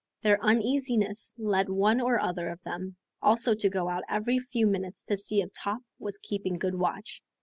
Their uneasiness led one or other of them also to go out every few minutes to see if Top was keeping good watch.